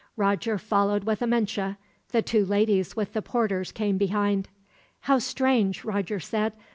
Roger followed with Amenche, the two ladies with the porters came behind. "How strange," Roger said.